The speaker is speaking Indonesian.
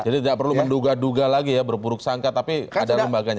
jadi tidak perlu menduga duga lagi ya berpuruk sangka tapi ada lembaganya